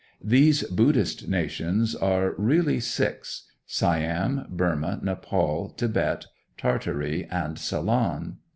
These Buddhist nations are really six: Siam, Burma, Nepaul, Thibet, Tartary, and Ceylon.